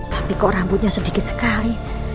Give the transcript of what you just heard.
tapi kok rambutnya sedikit sekali